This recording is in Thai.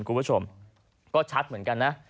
คุณผู้ชมก็ชัดเหมือนกันนะ